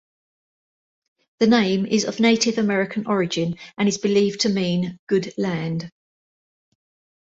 The name is of Native American origin and is believed to mean "good land".